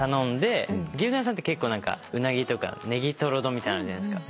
牛丼屋さんってウナギとかネギトロ丼みたいなのあるじゃないですか。